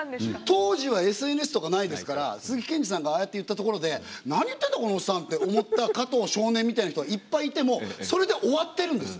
当時はＳＮＳとかないですから鈴木健二さんがああやって言ったところで何言ってんだこのおっさんって思った加藤少年みたいな人がいっぱいいてもそれで終わってるんです。